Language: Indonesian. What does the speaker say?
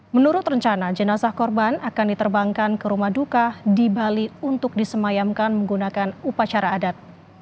menurut rencana jenazah korban akan diterbangkan ke rumah duka di bali untuk disemayamkan menggunakan upacara adat